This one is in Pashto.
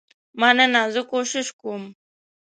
مننه زه کوشش کوم.